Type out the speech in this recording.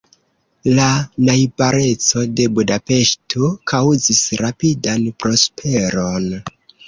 La najbareco de Budapeŝto kaŭzis rapidan prosperon.